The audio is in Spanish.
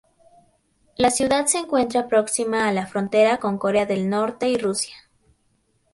La ciudad se encuentra próxima a la frontera con Corea del Norte y Rusia.